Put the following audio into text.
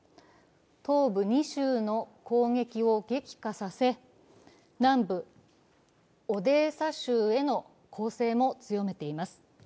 東部２州の攻撃を激化させ南部オデーサ州への攻勢も強めています。